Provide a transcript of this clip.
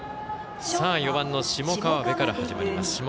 ４番の下川邊から始まります。